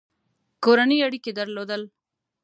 کورني اړیکي درلودل.